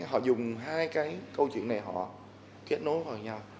họ dùng hai cái câu chuyện này họ kết nối vào nhau